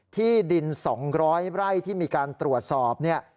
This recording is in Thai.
ที่ดิน๒๐๐ไร่ที่มีการตรวจสอบเนี่ย